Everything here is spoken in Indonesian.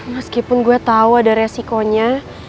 meskipun gue tahu ada resikonya